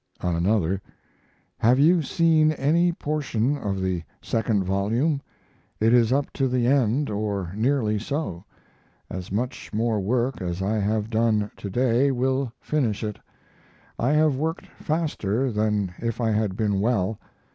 On another: Have you seen any portion of the second volume? It is up to the end, or nearly so. As much more work as I have done to day will finish it. I have worked faster than if I had been well.